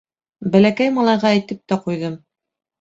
Бәләкәй малайға әйтеп тә ҡуйҙым: